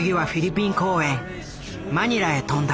マニラへ飛んだ。